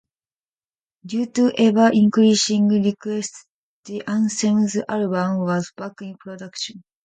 Due to ever increasing requests the Anthems album was back in production.